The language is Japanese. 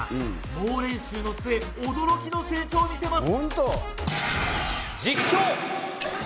猛練習の末驚きの成長を見せます。